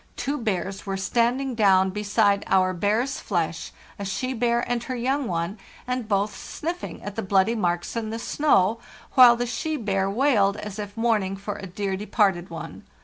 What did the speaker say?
Two bears were standing down beside our bear's flesh, a she bear and her young one, and both sniffing at the bloody marks in the snow, while the she bear wailed as if mourning for a dear departed one.